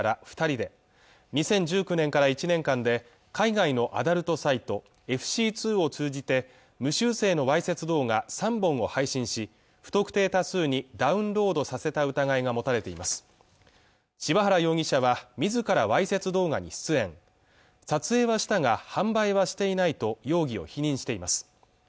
二人で２０１９年から１年間で海外のアダルトサイトＦＣ２を通じて無修正のわいせつ動画３本を配信し不特定多数にダウンロードさせた疑いが持たれています柴原容疑者はみずからわいせつ動画に出演撮影はしたが販売はしていないと容疑を否認しています